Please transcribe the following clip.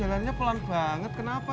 jalannya pelan banget kenapa